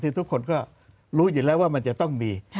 ทุกคนก็รู้อยู่แล้วว่ามันจะต้องมี